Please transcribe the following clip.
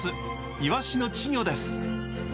イワシの稚魚です。